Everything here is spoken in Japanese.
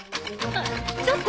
あっちょっと！